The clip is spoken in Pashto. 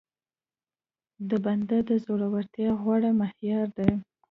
د بنده د زورورتيا غوره معيار دی.